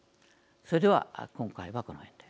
それでは今回はこの辺で。